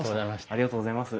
ありがとうございます。